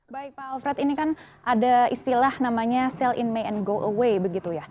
baik pak alfred ini kan ada istilah namanya sell in may and go away begitu ya